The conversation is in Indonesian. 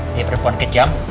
dia perempuan kejam